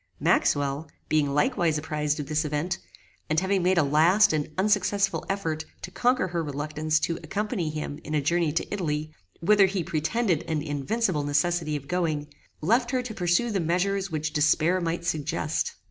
Maxwell, being likewise apprized of this event, and having made a last and unsuccessful effort to conquer her reluctance to accompany him in a journey to Italy, whither he pretended an invincible necessity of going, left her to pursue the measures which despair might suggest.